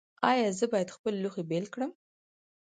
ایا زه باید خپل لوښي بیل کړم؟